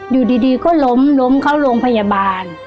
อยู่ดีก็ล้มล้มเข้าโรงพยาบาล